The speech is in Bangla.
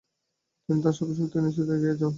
তিনি তার সর্বশক্তি ও নিশ্চয়তার সাথে এগিয়ে যান।